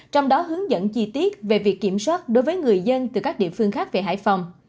trong đó hướng dẫn chi tiết về việc kiểm soát đối với người dân từ các địa phương khác về hải phòng